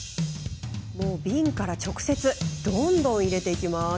瓶から直接油をどんどん入れていきます。